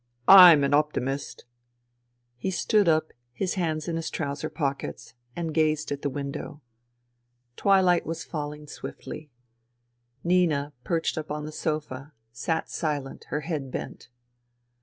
/*m an optimist !" He stood up, his hands in his trouser pockets, and gazed at the window. Twilight was falling THE REVOLUTION 103 swiftly. Nina, perched up on the sofa, sat silent, her head bent.